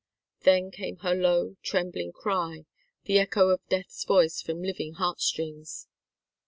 Then came her low, trembling cry, the echo of death's voice from living heartstrings.